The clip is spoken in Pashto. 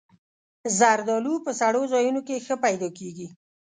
زردالو په سړو ځایونو کې ښه پیدا کېږي.